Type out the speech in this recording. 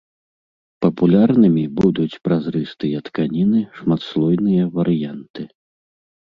Папулярнымі будуць празрыстыя тканіны, шматслойныя варыянты.